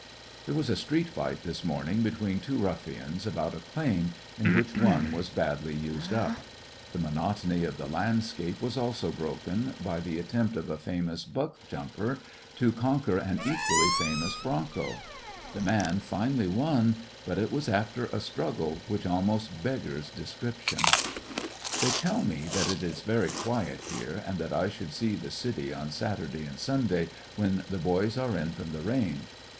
"There was a street fight this morning be tween two ruffians about a claim, in which one ^ was badly used up. The monotony of the I landscape was also broken by the attempt of ■ a famous * buck jumper * to conquer an equally I famous bronco. The man finally won, but it I 119 A relief from faro Recollections of a was after a struggle which almost beggars de scription. Livelier on "They tell me that it is very quiet here, and Sunday that I should see the 'city' on Saturday and Sunday, when the boys are in from the range.